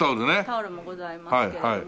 タオルもございますけれども。